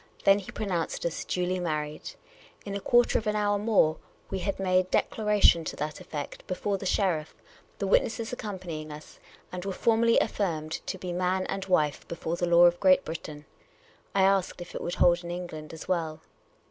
Then he pronounced us duly married. In a quarter of an hour more, we had made declaration to that effect before the sheriff, the witnesses accompanying us, and were formally affirmed to be man and wife before the law of Great Britain. I asked if it would hold in England as well.